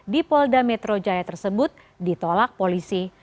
di polda metro jaya tersebut ditolak polisi